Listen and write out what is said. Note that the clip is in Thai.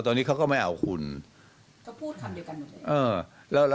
ตอนนี้เขาก็ไม่เอาคุณก็พูดคำเดียวกันหมดเลย